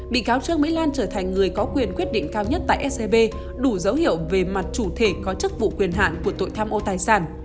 bị cáo trương mỹ lan trở thành người có quyền quyết định cao nhất tại scb đủ dấu hiệu về mặt chủ thể có chức vụ quyền hạn của tội tham ô tài sản